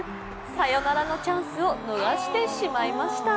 サヨナラのチャンスを逃してしまいました。